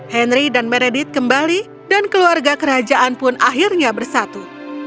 henry dan meredit kembali dan keluarga kerajaan pun akhirnya bersatu